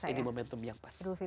ini momentum yang pas